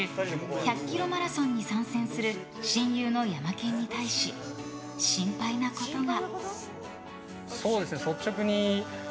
１００ｋｍマラソンに参戦する親友のヤマケンに対し心配なことが。